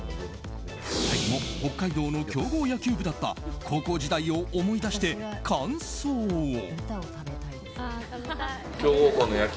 最後も北海道の強豪野球部だった高校時代を思い出して感想を。